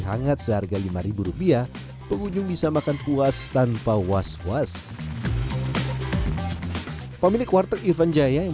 hangat seharga lima ribu rupiah pengunjung bisa makan puas tanpa was was pemilik warteg irfan jaya yang